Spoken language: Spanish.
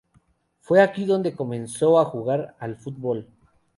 Fue aquí donde comenzó a jugar al fútbol.